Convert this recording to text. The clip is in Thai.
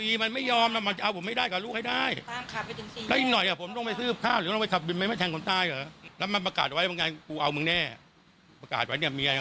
เอามึงแน่มีชายว่าอยู่ด้วย